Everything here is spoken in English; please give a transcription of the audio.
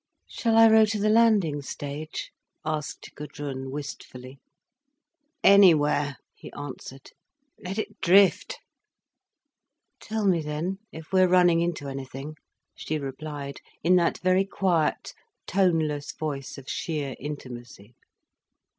"Shall I row to the landing stage?" asked Gudrun wistfully. "Anywhere," he answered. "Let it drift." "Tell me then, if we are running into anything," she replied, in that very quiet, toneless voice of sheer intimacy.